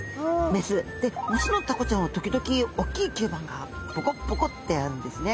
雌。で雄のタコちゃんは時々大きい吸盤がぼこっぼこってあるんですね。